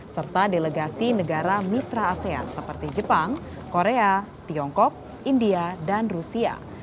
serta delegasi negara mitra asean seperti jepang korea tiongkok india dan rusia